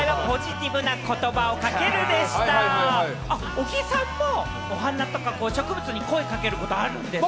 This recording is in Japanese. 小木さんもお花とか植物に声かけることあるんですか？